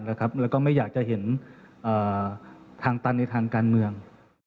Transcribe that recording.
แล้วก็ไม่อยากจะเห็นทางตันในทางการเมือง